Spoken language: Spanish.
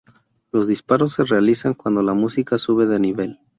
Los disparos se realizan cuando la música sube de nivel.